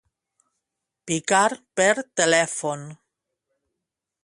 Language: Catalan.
Picar per telèfon.